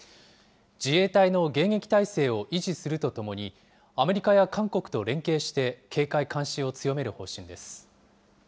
自衛隊の迎撃態勢を維持するとともに、アメリカや韓国と連携して、警戒監視を強める方針です。